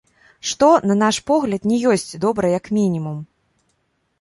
Што, на наш погляд, не ёсць добра, як мінімум.